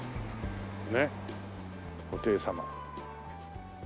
ねっ布袋様。